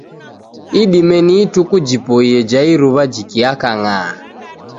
Idime ni ituku jipoie ja iruwa jikiaka ng'aa.